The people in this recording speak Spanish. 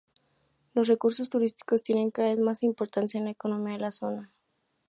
Los recursos turísticos tienen cada vez más importancia en la economía de la zona.